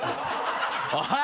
おい！